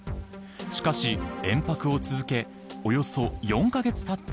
しかし、延泊を続けおよそ４カ月たった